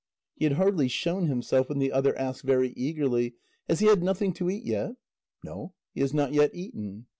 He had hardly shown himself, when the other asked very eagerly: "Has he had nothing to eat yet?" "No, he has not yet eaten."